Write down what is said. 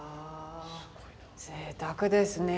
ぜいたくですね。